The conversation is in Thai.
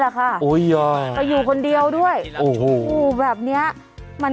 ค่ะโอ้ยไปอยู่คนเดียวด้วยโอ้โหแบบเนี้ยมัน